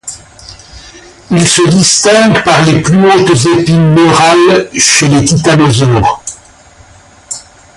Il se distingue par les plus hautes épines neurales chez les titanosaures.